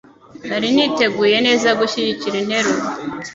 Nari niteguye neza gushyigikira interuro